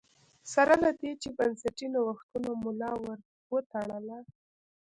سره له دې چې بنسټي نوښتونو ملا ور وتړله